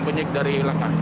lebih banyak dari rakan